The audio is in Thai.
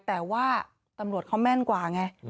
แต่ว่าตำรวจเขาแม่นกว่าไง